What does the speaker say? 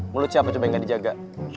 mulut siapa coba yang nggak dijaga